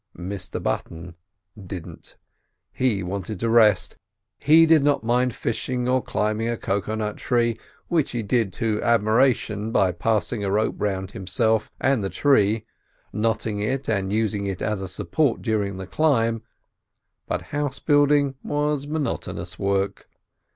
Mr Button didn't. He wanted to rest. He did not mind fishing or climbing a cocoa nut tree, which he did to admiration by passing a rope round himself and the tree, knotting it, and using it as a support during the climb; but house building was monotonous work.